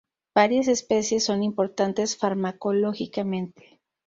Varias especies son importantes farmacológicamente.